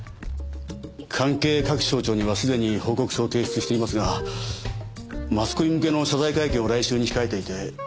関係各省庁にはすでに報告書を提出していますがマスコミ向けの謝罪会見を来週に控えていて。